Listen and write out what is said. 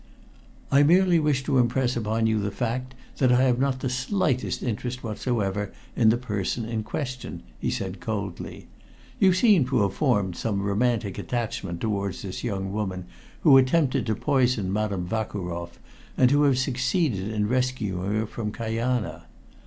"I merely wish to impress upon you the fact that I have not the slightest interest whatsoever in the person in question," he said coldly. "You seem to have formed some romantic attachment towards this young woman who attempted to poison Madame Vakuroff, and to have succeeded in rescuing her from Kajana.